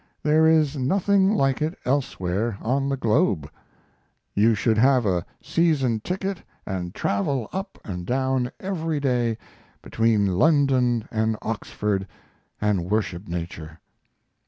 There is nothing like it elsewhere on the globe. You should have a season ticket and travel up and down every day between London and Oxford and worship nature.